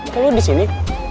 kenapa lu disini